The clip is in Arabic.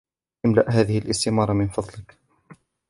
املأ هذه الاستمارة من فضلك.